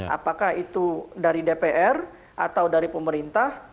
apakah itu dari dpr atau dari pemerintah